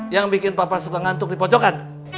yang bikin papa suka ngantuk di pojokan